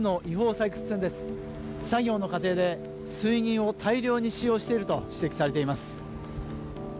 作業の過程で、水銀を大量に使用していると指摘されています。